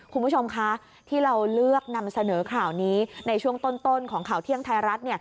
คุณผู้ชมคะที่เราเลือกนำเสนอข่าวนี้ในช่วงต้นของข่าวเที่ยงไทยรัฐ